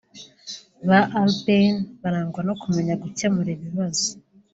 Ba Urbain barangwa no kumenya gukemura ibibazo